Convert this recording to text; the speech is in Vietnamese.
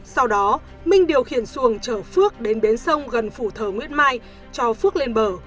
sau đó minh điều khiển xuồng chở phước đến bến sông gần phủ thờ nguyễn mai cho phước lên bờ